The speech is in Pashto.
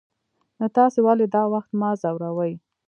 نو تاسې ولې دا وخت ما ځوروئ.